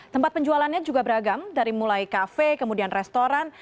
tempat penjualannya juga beragam dari mulai kafe kemudian restoran